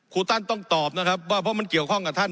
ครูตันต้องตอบนะครับว่าเพราะมันเกี่ยวข้องกับท่าน